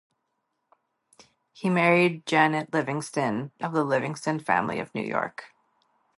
He married Janet Livingston, of the Livingston family of New York.